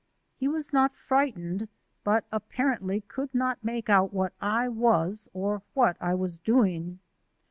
He was not frightened, but apparently could not make out what I was or what I was doing.